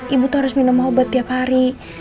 ibu tuh harus minum obat tiap hari